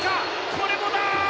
これもだ！